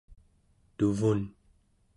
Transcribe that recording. tuvun